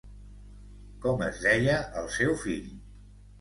Com es deia el seu fill?